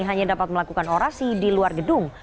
hanya dapat melakukan orasi di luar gedung